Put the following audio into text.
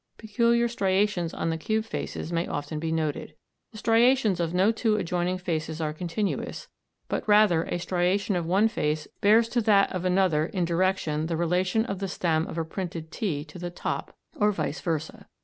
Peculiar striations on the cube faces may often be noted. The striations of no two adjoining faces are continuous; but rather a striation of one face bears to that of another in direction the relation of the stem of a printed T to the top, or vice versa.